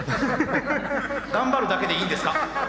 頑張るだけでいいんですか？